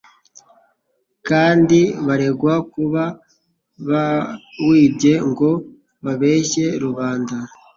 kandi baregwa kuba bawibye ngo babeshye rubanda.